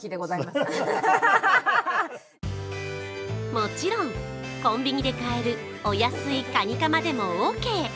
もちろん、コンビニで買えるお安いカニカマでもオーケー。